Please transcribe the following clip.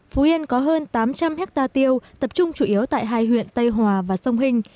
phú yên có hơn tám trăm linh hectare tiêu tập trung chủ yếu tại hai huyện tây hòa và sông hình